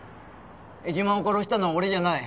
江島を殺したのは俺じゃない。